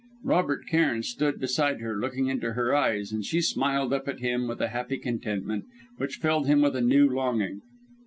Robert Cairn stood beside her, looking into her eyes, and she smiled up at him with a happy contentment, which filled him with a new longing.